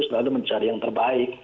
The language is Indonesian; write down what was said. selalu mencari yang terbaik